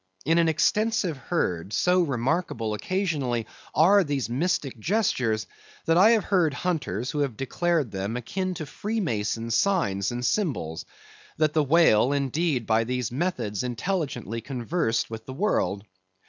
In an extensive herd, so remarkable, occasionally, are these mystic gestures, that I have heard hunters who have declared them akin to Free Mason signs and symbols; that the whale, indeed, by these methods intelligently conversed with the world.